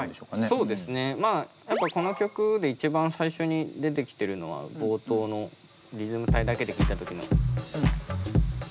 そうですねやっぱこの曲で一番最初に出てきてるのは冒頭のリズム隊だけで聴いた時のこの音ですね。